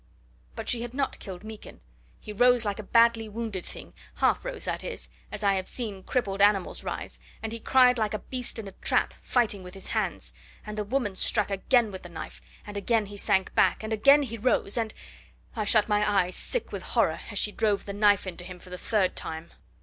But she had not killed Meekin. He rose like a badly wounded thing half rose, that is, as I have seen crippled animals rise, and he cried like a beast in a trap, fighting with his hands. And the woman struck again with the knife and again he sank back, and again he rose, and ... I shut my eyes, sick with horror, as she drove the knife into him for the third time.